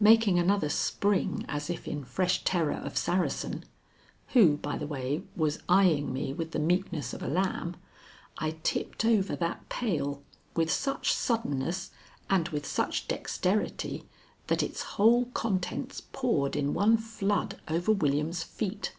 Making another spring as if in fresh terror of Saracen, who, by the way, was eying me with the meekness of a lamb, I tipped over that pail with such suddenness and with such dexterity that its whole contents poured in one flood over William's feet.